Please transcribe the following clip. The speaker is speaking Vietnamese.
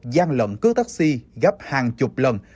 giang lậm cướp taxi gấp hàng chục lần